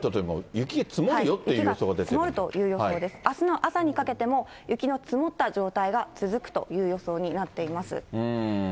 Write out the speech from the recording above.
あすの朝にかけても、雪の積もった状態が続くという予想になっています。